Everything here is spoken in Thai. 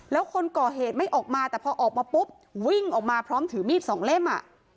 แล้วคนก่อเหตุไม่ออกมาแต่พอออกมาปุ๊บวิ่งออกมาพร้อมถือมีดสองเล่ม